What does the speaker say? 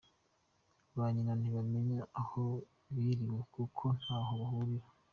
Ba nyina ntibamenya aho biriwe kuko ntaho bahurira.